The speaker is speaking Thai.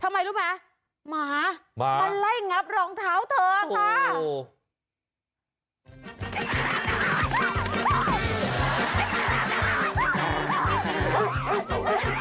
ทำไมรู้ไหมหมามาไล่งับรองเท้าเธอค่ะ